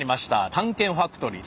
「探検ファクトリー」